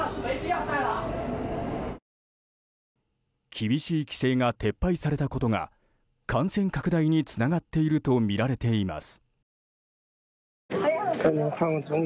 厳しい規制が撤廃されたことが感染拡大につながっているとみられています。